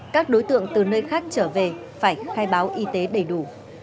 các đối tượng từ nơi khác trở về phải khai báo y tế đầy đủ